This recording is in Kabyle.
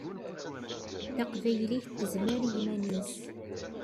Taqbaylit tezmer i yiman-is!